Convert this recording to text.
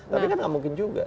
tapi kan nggak mungkin juga